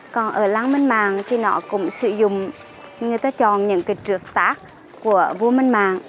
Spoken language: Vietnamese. còn ở lăng minh mạng thì nó cũng sử dụng người ta chọn những cái trượt tác của vua minh mạng